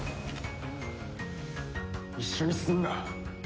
一緒にすんな！